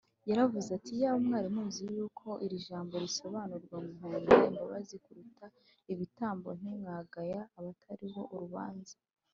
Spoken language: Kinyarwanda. yaravuze ati, “iyaba mwari muzi uko iri jambo risobanurwa ngo ‘nkunda imbabazi kuruta ibitambo’ ntimwagaya abatariho urubanza